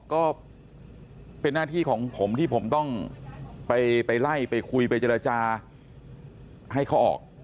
ก็เป็นหน้าที่ของผมที่ผมต้องไปไล่ไปคุยไปเจรจาให้เขาออก